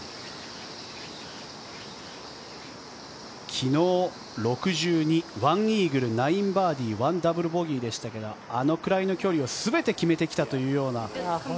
昨日、６２１イーグル９バーディー１ダブルボギーでしたけどあのぐらいの距離を全て決めてきたというような。